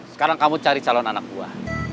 sekarang kamu cari calon anak buah